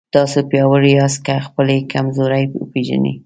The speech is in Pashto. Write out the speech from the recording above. تاسو پیاوړي یاست که خپلې کمزورۍ وپېژنئ.